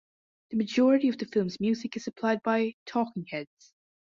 The majority of the film's music is supplied by Talking Heads.